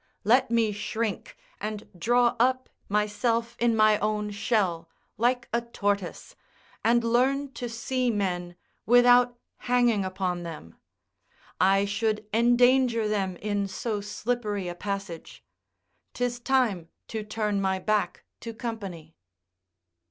Let me shrink and draw up myself in my own shell, like a tortoise, and learn to see men without hanging upon them. I should endanger them in so slippery a passage: 'tis time to turn my back to company.